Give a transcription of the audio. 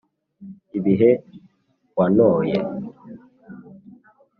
ibihe wantoye,